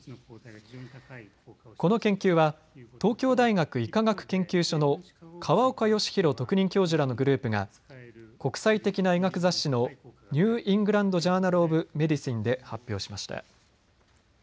この研究は東京大学医科学研究所の河岡義裕特任教授らのグループが国際的な医学雑誌のニュー・イングランド・ジャーナル・オブ・メディシンで発表しました。